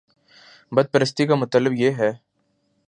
بت پرستی کا مطلب یہ ہے